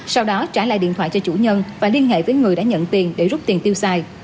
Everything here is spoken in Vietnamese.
sau đó trả lại điện thoại cho chủ nhân và liên hệ với người đã nhận tiền để rút tiền tiêu xài